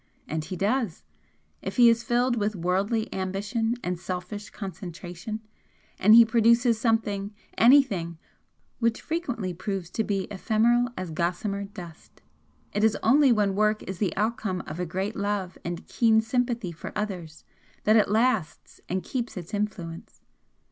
And he does, if he is filled with worldly ambition and selfish concentration; and he produces something anything which frequently proves to be ephemeral as gossamer dust. It is only when work is the outcome of a great love and keen sympathy for others that it lasts and keeps its influence.